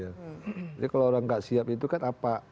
jadi kalau orang nggak siap itu kan apa